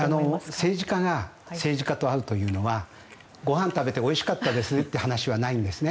政治家が政治家と会うというのはご飯食べておいしかったですという話はないんですね。